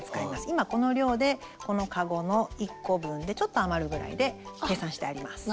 今この量でこのかごの１個分でちょっと余るぐらいで計算してあります。